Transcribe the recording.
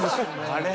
あれ？